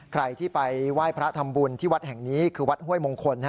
ใครที่ไปไหว้พระทำบุญที่วัดแห่งนี้คือวัดห้วยมงคล